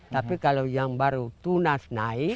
tapi kalau yang baru tunas naik